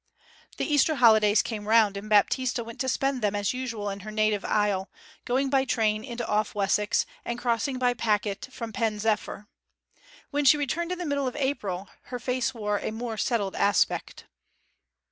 The Easter holidays came round, and Baptista went to spend them as usual in her native isle, going by train into Off Wessex and crossing by packet from Pen zephyr. When she returned in the middle of April her face wore a more settled aspect.